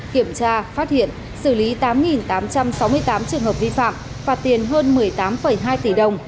kiểm tra phát hiện xử lý tám tám trăm sáu mươi tám trường hợp vi phạm phạt tiền hơn một mươi tám hai tỷ đồng